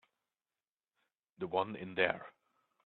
The one in there.